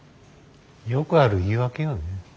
よくある言い訳よね。